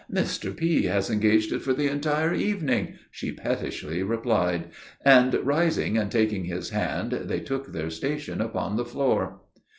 'Mr. P. has engaged it for the entire evening,' she pettishly replied, and rising and taking his hand they took their station upon the floor.